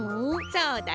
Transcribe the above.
そうだよ。